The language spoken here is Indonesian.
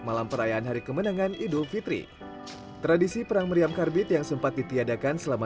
malam perayaan hari kemenangan idul fitri tradisi perang meriam karbit yang sempat ditiadakan selama